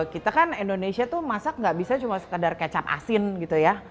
kita kan indonesia tuh masak nggak bisa cuma sekedar kecap asin gitu ya